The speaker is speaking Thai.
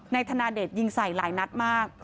นายธนเดชน์ยิงใส่หลายนัดมาก